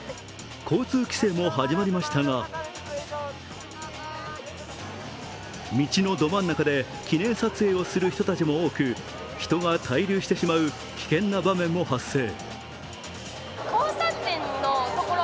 交通規制も始まりましたが道のど真ん中で記念撮影をする人たちも多く、人が滞留してしまう危険な場面も発生。